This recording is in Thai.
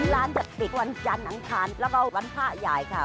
ร้านจะปิดวันจานังทานแล้วก็วันผ้าย่ายค่ะ